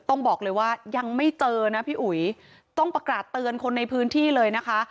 ต้องบอกเลยว่ายังไม่เจอนะพี่อุ๋ยต้องประกาศเตือนคนในพื้นที่เลยนะคะ